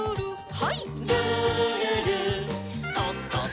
はい。